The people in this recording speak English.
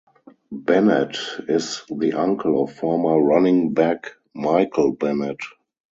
Bennett is the uncle of former running back Michael Bennett.